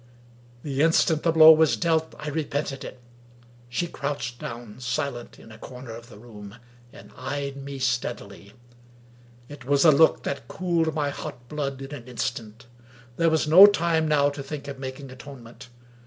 The instant the blow was dealt, I repented it. She crouched down, silent, in a corner of the room, and eyed 250 Wilkie Collins me steadily. It was a look that cooled my hot blood in an instant. There was no time now to think of making atonement.